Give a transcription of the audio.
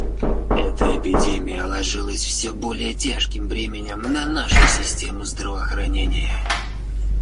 Эта эпидемия ложится всё более тяжким бременем на нашу систему здравоохранения.